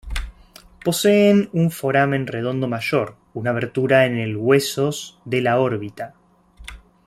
Posee un foramen redondo mayor, una abertura en el huesos de la órbita.